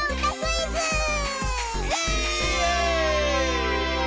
イエーイ！